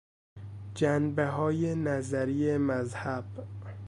جنبههای نظری مذهب